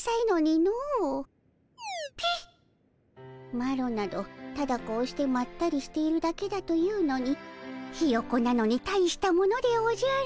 マロなどただこうしてまったりしているだけだというのにヒヨコなのに大したものでおじゃる。